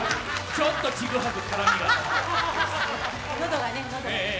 ちょっとちぐはぐ、絡みが。